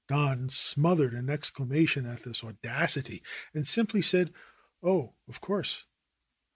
Don smothered an exclamation at this audacity and simply said, "Oh, of course